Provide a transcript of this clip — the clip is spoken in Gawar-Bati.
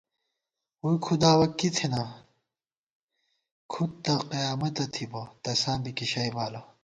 ووئی کھُداوَہ کی تھنہ کھُدتہ قیامَتہ تھِبہ، تساں بی کِشَئ بالہ